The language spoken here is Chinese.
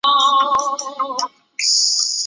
迪特尔斯多夫是德国图林根州的一个市镇。